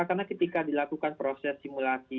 karena ketika dilakukan proses simulasi